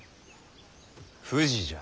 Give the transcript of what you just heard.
富士じゃ。